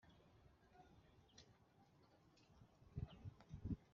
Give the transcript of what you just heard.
Kambibi utuye BwiraboRunda Runda KamonyiUmujyi wa Kigali